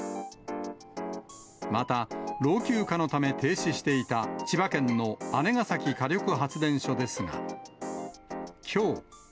また、老朽化のため停止していた、千葉県の姉崎火力発電所ですが、きょう。